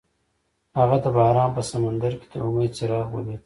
هغه د باران په سمندر کې د امید څراغ ولید.